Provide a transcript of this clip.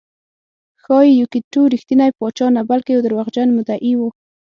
ښایي یوکیت ټو رښتینی پاچا نه بلکې یو دروغجن مدعي و